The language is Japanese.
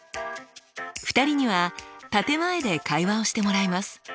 ２人には建て前で会話をしてもらいます。